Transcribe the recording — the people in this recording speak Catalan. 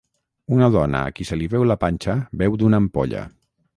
Una dona a qui se li veu la panxa beu d'una ampolla.